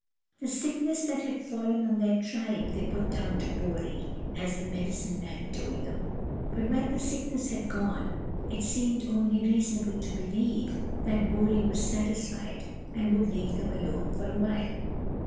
The sickness that had fallen on their tribe they put down to Bori, as the medicine man told them ; but when the sickness had gone, it seemed only reasonable to believe that Bori was satisfied and would leave them alone for awhile.